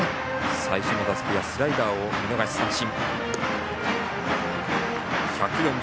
最初の打席はスライダーを見逃し三振。